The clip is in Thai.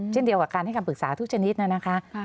เช่นเดียวกับการให้คำปรึกษาทุกชนิดน่ะนะคะ